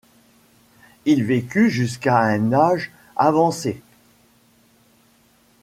Il vécut jusqu'à un âge avancé.